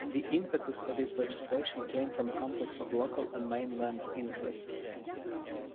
The impetus for this legislation came from a complex of local and mainland interests.